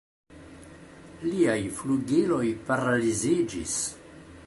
Liaj flugiloj paraliziĝis.